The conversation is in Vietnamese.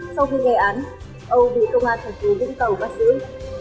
sau khi gây án âu bị công an thành phố vũng tàu bắt giữ